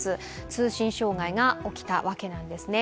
通信障害が起きたわけなんですね。